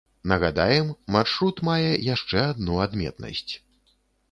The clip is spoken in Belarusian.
Нагадаем, маршрут мае яшчэ адну адметнасць.